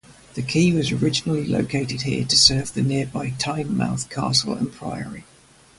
The quay was originally located here to serve the nearby Tynemouth Castle and Priory.